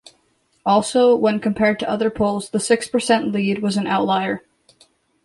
Also, when compared to other polls, the six percent lead was an outlier.